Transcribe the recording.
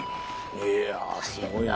・いやすごいね。